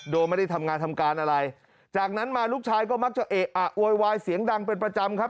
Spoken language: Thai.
โดยไม่ได้ทำงานทำการอะไรจากนั้นมาลูกชายก็มักจะเอะอะโวยวายเสียงดังเป็นประจำครับ